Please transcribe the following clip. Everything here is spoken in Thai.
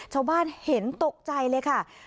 ชาวบ้านเห็นตกใจเลยค่ะ